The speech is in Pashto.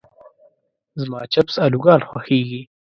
زما چپس الوګان خوښيږي.